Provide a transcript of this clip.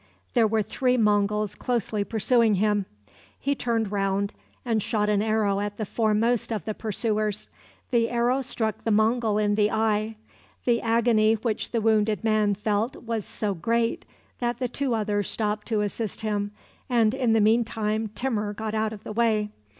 There were three Monguls closely pursuing him. He turned round and shot an arrow at the foremost of the pursuers. The arrow struck the Mongul in the eye. The agony which the wounded man felt was so great that the two others stopped to assist him, and in the mean time Timur got out of the way.